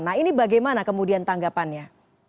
nah ini bagaimana kemudian tanggapannya